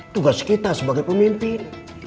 tugas kita sebagai pemimpin